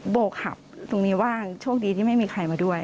โบกขับตรงนี้ว่างโชคดีที่ไม่มีใครมาด้วย